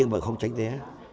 tuy nhiên mà không tránh thế